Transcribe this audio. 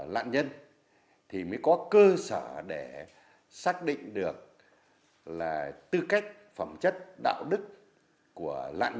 bây giờ thì bắt đầu vụ án